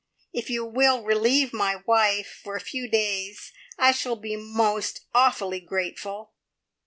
If you will relieve my wife for a few days, I shall be most awfully grateful!"